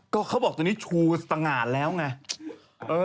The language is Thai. ก็เขาบอกตัวนี้ชูสตางาดแล้วไง